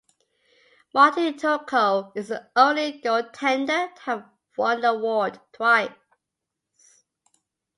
Marty Turco is the only goaltender to have won the award twice.